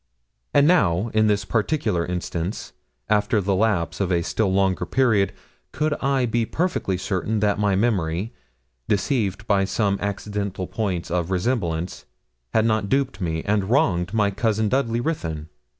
And now, in this particular instance, after the lapse of a still longer period, could I be perfectly certain that my memory, deceived by some accidental points of resemblance, had not duped me, and wronged my cousin, Dudley Ruthyn?